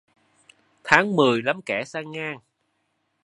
Tháng mười lắm kẻ sang ngang